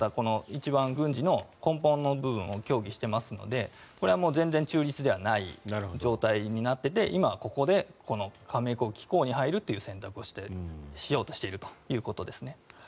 一番、軍事の根本の部分を協議していますので全然、中立ではない状態になっていまして今ここで加盟国機構に入るという選択をしようとしているということです。